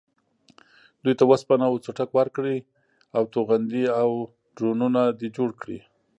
دوی ته وسپنه و څټک ورکړې او توغندي او ډرونونه دې جوړ کړي.